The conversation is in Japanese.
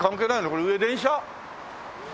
これ上電車？